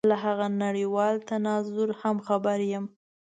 له هغه نړېوال تناظر هم خبر یم.